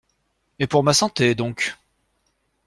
Et pour ma santé, donc!